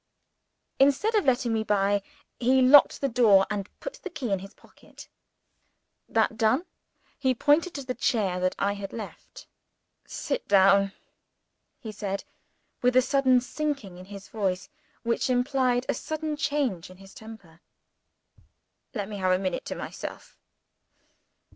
Instead of letting me by, he locked the door, and put the key in his pocket. That done, he pointed to the chair that I had left. "Sit down," he said, with a sudden sinking in his voice which implied a sudden change in his temper. "Let me have a minute to myself."